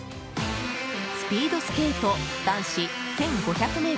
スピードスケート男子１５００ｍ。